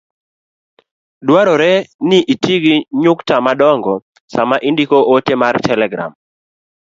Dwarore ni iti gi nyukta madongo sama indiko ote mar telegram.